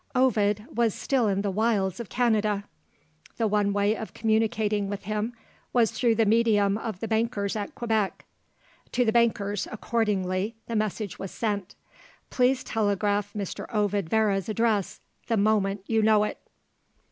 Ovid was still in the wilds of Canada. The one way of communicating with him was through the medium of the bankers at Quebec, To the bankers, accordingly, the message was sent. "Please telegraph Mr. Ovid Vere's address, the moment you know it."